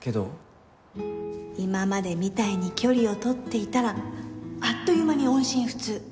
今までみたいに距離を取っていたらあっという間に音信不通。